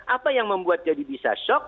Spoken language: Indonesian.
apa yang membuat jadi bisa shock